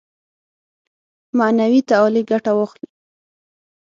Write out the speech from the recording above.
معنوي تعالي ګټه واخلي.